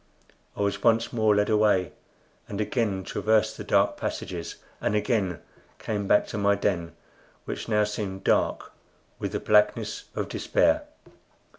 I was once more led away, and again traversed the dark passages, and again came back to my den, which now seemed dark with the blackness of despair.